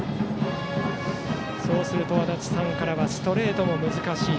そうすると足達さんからはストレートも難しい。